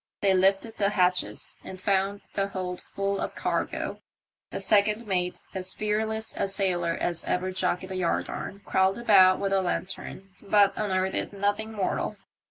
They lifted the hatches and found the hold full of cargo. The second mate, as fearless a sailor as ever jockeyed a yardarm, crawled about with a lantern but unearthed nothing mortal.